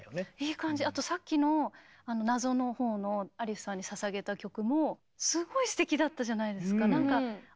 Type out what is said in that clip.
あとさっきの「謎」のほうのアリスさんにささげた曲もすごいすてきだったじゃないですか。